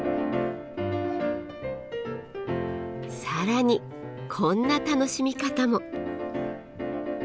更にこんな楽しみ方も。